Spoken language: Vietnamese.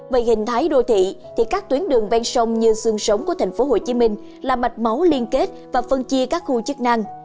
về hình thái đô thị thì các tuyến đường ven sông như xương sống của thành phố hồ chí minh là mạch máu liên kết và phân chia các khu chức năng